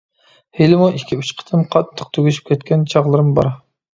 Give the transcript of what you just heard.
ھېلىمۇ ئىككى-ئۈچ قېتىم قاتتىق تۈگىشىپ كەتكەن چاغلىرىم بار.